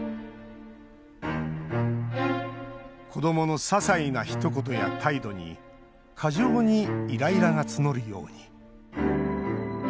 子どものささいなひと言や態度に過剰にイライラが募るように。